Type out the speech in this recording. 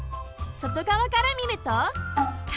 そとがわからみると角！